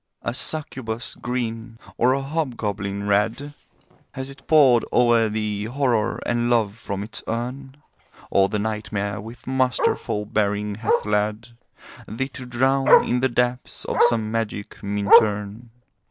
A succubus green, or a hobgoblin red, Has it poured o'er thee Horror and Love from its urn? Or the Nightmare with masterful bearing hath led Thee to drown in the depths of some magic Minturne?